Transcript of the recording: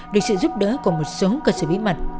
được sự giúp đỡ của một số cơ sở bí mật